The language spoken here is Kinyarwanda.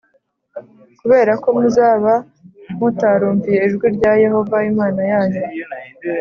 kubera ko muzaba mutarumviye ijwi rya Yehova Imana yanyu